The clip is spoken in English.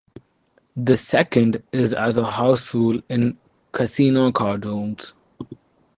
The second is as a house rule in casino cardrooms.